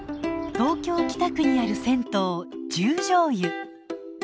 東京・北区にある銭湯十條湯。